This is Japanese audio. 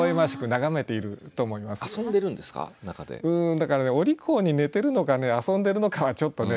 だからお利口に寝てるのか遊んでるのかはちょっとね